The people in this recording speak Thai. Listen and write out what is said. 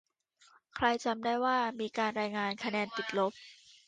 ใครจำได้ว่า มีการรายงานคะแนน "ติดลบ"